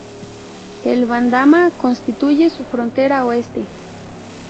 El Bandama constituye su frontera oeste.